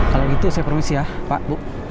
kalau gitu saya permisi ya pak bu